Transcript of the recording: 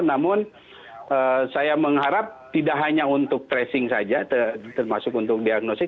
namun saya mengharap tidak hanya untuk tracing saja termasuk untuk diagnosis